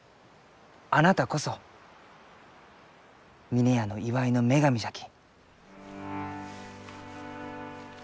あなたこそ峰屋の祝いの女神じゃき。